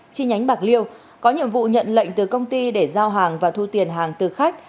chi nhánh bạc liêu có nhiệm vụ nhận lệnh từ công ty để giao hàng và thu tiền hàng từ khách